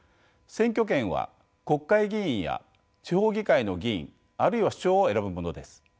選挙権は国会議員や地方議会の議員あるいは首長を選ぶものです。